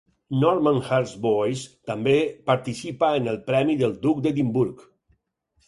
Normanhurst Boys també participa en el Premi del Duc d'Edimburg.